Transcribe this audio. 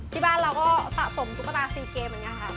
ที่บ้านเราก็สะสมตุ๊กตาซีเกมเหมือนกันค่ะ